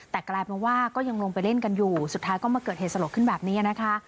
แต่กลายเป็นว่าก็ยังลงไปเล่นกันอยู่สุดท้ายก็มาเกิดเหตุสลดขึ้นแบบนี้นะคะ